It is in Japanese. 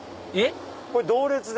これ同列で。